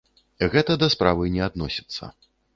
Гэта да справы не адносіцца.